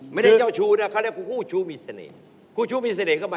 ไม่ได้เจ้าชู้นะเขาเรียกว่าคู่ชู้มีเสน่ห์